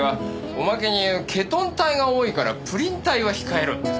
おまけにケトン体が多いからプリン体は控えろってさ。